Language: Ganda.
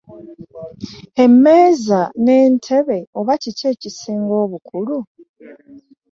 Emmeeza n'entebe oba kiki ekisinga obukulu?